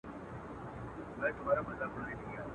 خالقه ورځي څه سوې توري شپې دي چي راځي.